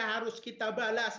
harus kita balas